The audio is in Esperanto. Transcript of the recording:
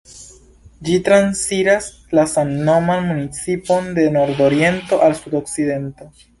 Ĝi transiras la samnoman municipon de nordoriento al sudokcidento.